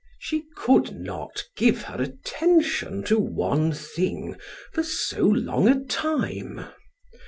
She could not give her attention to one thing for so long a time.